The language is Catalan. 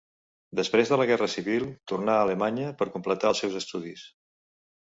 Després de la Guerra Civil, tornà a Alemanya, per a completar els seus estudis.